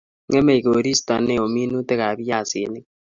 Ngemei koristo neo minutikap viasinik